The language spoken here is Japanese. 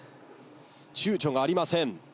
ちゅうちょがありません。